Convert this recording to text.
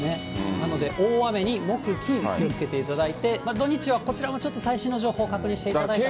なので大雨に、木、金、気をつけていただいて、土日はこちらもちょっと最新の情報を確認していただいたほうが。